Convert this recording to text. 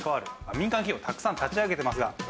民間企業をたくさん立ち上げてますが。